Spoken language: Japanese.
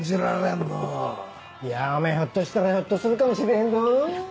いやおめぇひょっとしたらひょっとするかもしれんど？